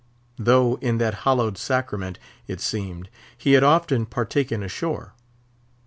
though in that hallowed sacrament, it seemed, he had often partaken ashore.